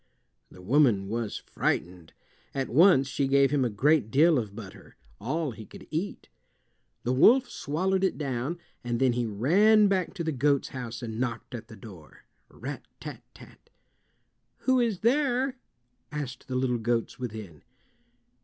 The woman was frightened. At once she gave him a great deal of butter—all he could eat. The wolf swallowed it down, and then he ran back to the goat's house and knocked at the door—rat tat rat! "Who is there?" asked the little goats within.